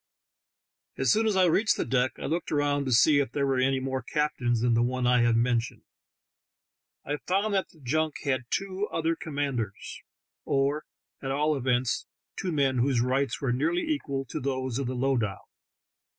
As soon as I reached the deck I looked around to see if there were any more captains than the one I have mentioned. I found that the junk had two other commanders, or at all events two men whose rights were nearly equal to those of the lowdah.